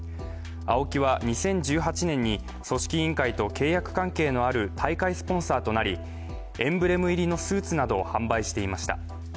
ＡＯＫＩは２０１８年に組織委員会と契約関係のある大会スポンサーとなり、エンブレム入りのスーツなどを販売していました。